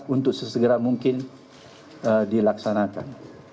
untuk sesegera mungkin dilaksanakan